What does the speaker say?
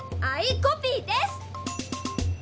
アイコピーです！